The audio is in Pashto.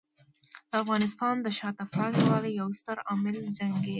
د افغانستان د شاته پاتې والي یو ستر عامل جنګ دی.